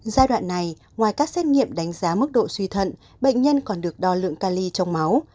giai đoạn này ngoài các xét nghiệm đánh giá mức độ suy thận bệnh nhân còn được đo lượng ca ly trong máu